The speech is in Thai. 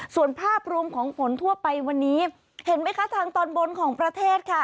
ส่วนภาพรวมของฝนทั่วไปวันนี้เห็นไหมคะทางตอนบนของประเทศค่ะ